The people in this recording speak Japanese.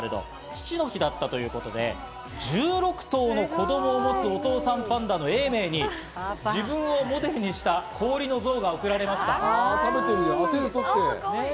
父の日だったということで、１６頭の子供を持つお父さんパンダの永明に自分をモデルにした氷の像が贈られました。